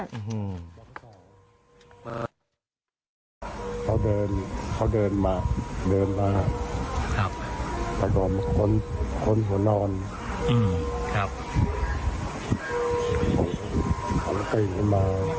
อาการเป็นไงบ้างคะเนี่ย